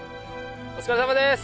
お疲れさまです。